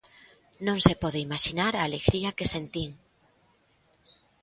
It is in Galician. Non se pode imaxinar a alegría que sentín.